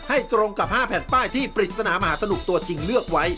ตรงกับ๕แผ่นป้ายที่ปริศนามหาสนุกตัวจริงเลือกไว้